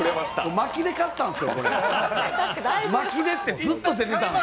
巻きで買ったんですよ。